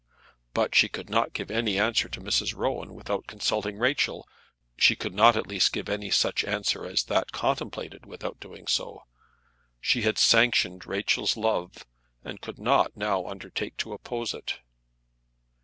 But she could not give any answer to Mrs. Rowan without consulting Rachel; she could not at least give any such answer as that contemplated without doing so. She had sanctioned Rachel's love, and could not now undertake to oppose it.